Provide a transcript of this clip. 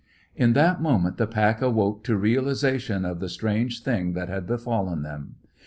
In that moment, the pack awoke to realization of the strange thing that had befallen them.